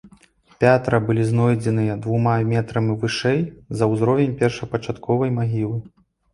Пятра былі знойдзеныя двума метрамі вышэй за ўзровень першапачатковай магілы.